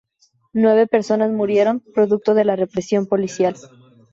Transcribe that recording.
Nueve personas murieron producto de la represión policial.